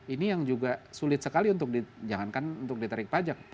ini yang juga sulit sekali untuk jangankan untuk ditarik pajak